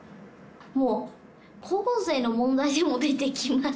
もう高校生の問題でも出てきます。